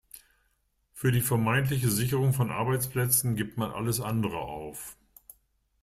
Für die vermeintliche Sicherung von Arbeitsplätzen gibt man alles andere auf.